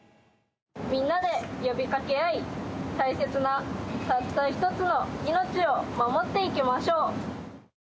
みんなで呼びかけ合い、大切なたった一つの命を守っていきましょう。